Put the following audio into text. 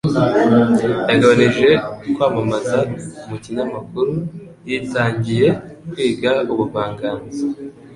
Yagabanije kwamamaza mu kinyamakuru. Yitangiye kwiga ubuvanganzo.